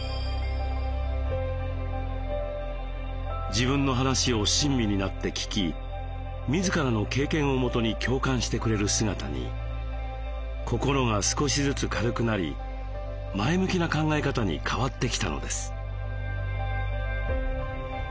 自分の話を親身になって聞き自らの経験をもとに共感してくれる姿に心が少しずつ軽くなり前向きな考え方に変わってきたのです。